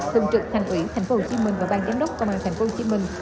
thường trực thành ủy thành phố hồ chí minh và ban giám đốc công an thành phố hồ chí minh